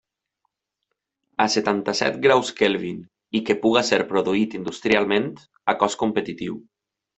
A setanta-set graus Kelvin i que puga ser produït industrialment a cost competitiu.